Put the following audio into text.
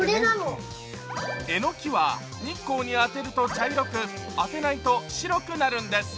えのきは日光に当てると茶色く、当てないと白くなるんです。